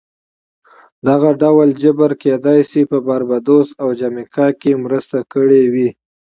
دغه ډول جبر کېدای شي په باربادوس او جامیکا کې مرسته کړې وي